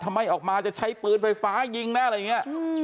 ทำไมออกมาจะใช้ปืนไฟฟ้ายิงนะอะไรอย่างนี้